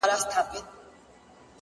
لوړ همت ناامیدي شاته پرېږدي!.